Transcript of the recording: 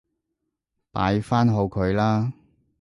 擺返好佢啦